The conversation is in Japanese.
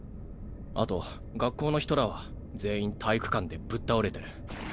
あと学校の人らは全員体育館でぶっ倒れてる。